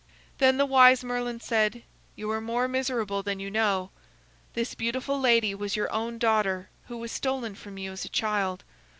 Then the wise Merlin said: "You are more miserable than you know. This beautiful lady was your own daughter who was stolen from you as a child.